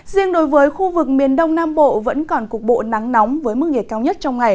riêng đối với khu vực miền đông nam bộ vẫn còn cục bộ nắng nóng với mức nhiệt cao nhất trong ngày